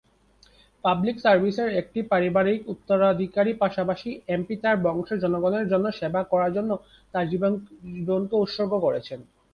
Public সার্ভিসের একটি পারিবারিক উত্তরাধিকারী পাশাপাশি, এমপি তার বংশের জনগণের জন্য সেবা করার জন্য তার জীবনকে উৎসর্গ করেছেন।